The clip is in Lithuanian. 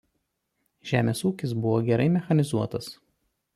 Žemės ūkis buvo gerai mechanizuotas.